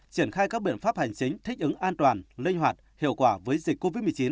triển khai các biện pháp hành chính thích ứng an toàn linh hoạt hiệu quả với dịch covid một mươi chín